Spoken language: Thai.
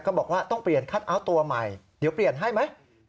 บอกว่าต้องเปลี่ยนคัทเอาท์ตัวใหม่เดี๋ยวเปลี่ยนให้ไหม